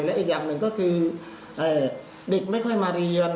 และอีกอย่างหนึ่งก็คือเด็กไม่ค่อยมาเรียน